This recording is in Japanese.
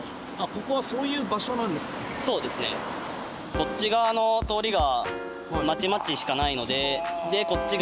こっち側の通りが。